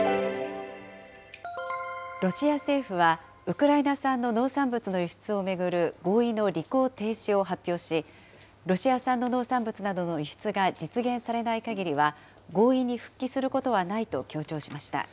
ロシア政府はウクライナ産の農産物の輸出を巡る合意の履行停止を発表し、ロシア産の農産物などの輸出が実現されないかぎりは、合意に復帰することはないと強調しました。